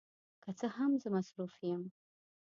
که څه هم، زه مصروف یم.